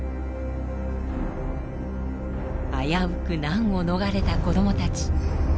危うく難を逃れた子どもたち。